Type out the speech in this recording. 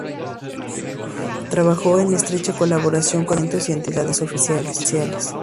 Trabajó en estrecha colaboración con Ayuntamientos y entidades oficiales.